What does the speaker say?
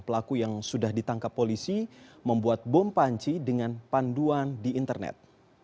pelaku yang sudah ditangkap polisi membuat bom panci dengan panduan di internet